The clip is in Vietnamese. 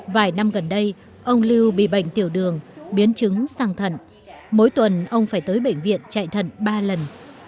vài năm gần đây ông lưu bị bệnh tiểu đường biến chứng sang thận mỗi tuần ông phải tới bệnh viện chạy thận ba lần